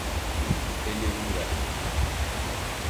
Ellerini ver.